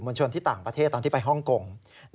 บริษัทผู้ชมที่ต่างประเทศตอนที่ไปห้องโกง